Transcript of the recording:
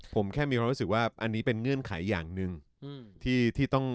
ผมแค่มีความรู้สึกว่าอันนี้เป็นเงื่อนไขอย่างหนึ่งที่ต้อง